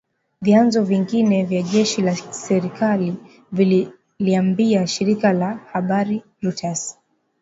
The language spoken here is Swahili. Vyanzo vingine vya jeshi la serikali vililiambia shirika la habari la Reuters